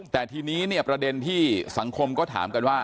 แต่ทีนี้เนี่ยประเด็นที่สังคมก็ถามกันว่า